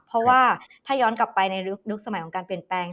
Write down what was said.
เพราะว่าถ้าย้อนกลับไปในยุคสมัยของการเปลี่ยนแปลง